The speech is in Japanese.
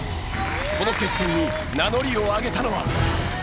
この決戦に名乗りを上げたのは。